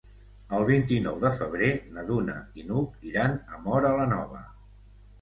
El vint-i-nou de febrer na Duna i n'Hug iran a Móra la Nova.